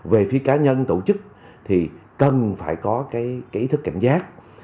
về phía cá nhân tổ chức thì cần phải có cái ý thức cảnh giác